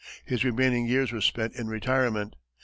His remaining years were spent in retirement.